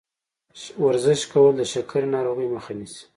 ورزش کول د شکرې ناروغۍ مخه نیسي.